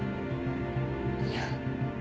いや。